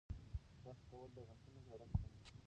برس کول د غاښونو زړښت کموي.